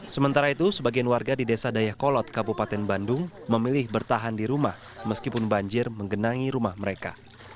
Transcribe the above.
sementara itu sebagian warga di desa dayakolot kabupaten bandung memilih bertahan di rumah meskipun banjir menggenangi rumah mereka